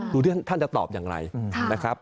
ท่านจะตอบอย่างไรนะครับ